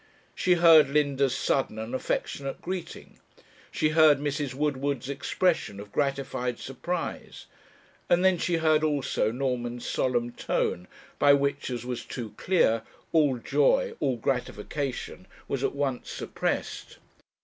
She heard Linda's sudden and affectionate greeting; she heard Mrs. Woodward's expression of gratified surprise; and then she heard also Norman's solemn tone, by which, as was too clear, all joy, all gratification, was at once suppressed.